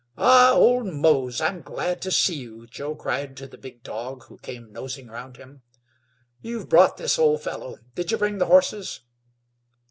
"Ah! old Mose! I'm glad to see you," Joe cried to the big dog who came nosing round him. "You've brought this old fellow; did you bring the horses?"